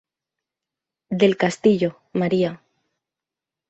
Del Castillo, María.